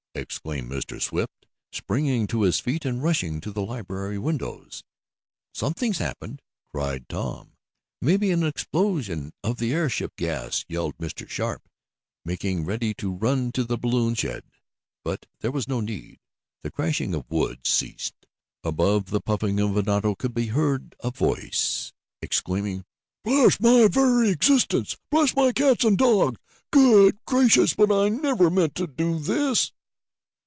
exclaimed Mr. Swift, springing to his feet, and rushing to the library windows. "Something's happened!" cried Tom. "Maybe an explosion of the airship gas!" yelled Mr. Sharp, making ready to run to the balloon shed. But there was no need. The crashing of wood ceased, and, above the puffing of an auto could be heard a voice exclaiming: "Bless my very existence! Bless my cats and dogs! Good gracious! But I never meant to do this!"